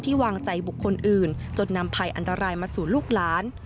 วางใจบุคคลอื่นจนนำภัยอันตรายมาสู่ลูกหลาน